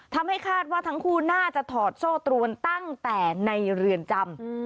ทำให้คาดว่าทั้งคู่น่าจะถอดโซ่ตรวนตั้งแต่ในเรือนจำ